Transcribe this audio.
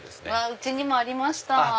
うちにもありました！